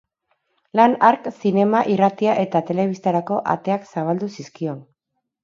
Lan hark zinema, irratia eta telebistarako ateak zabaldu zizkion.